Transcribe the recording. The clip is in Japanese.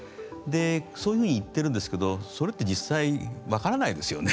そういうふうにいっているんですけどそれって実際分からないですよね。